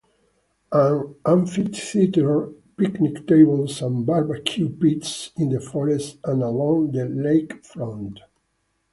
An amphitheater, picnic tables, and barbecue pits in the forest and along the lakefront.